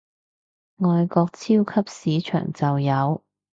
外國超級市場就有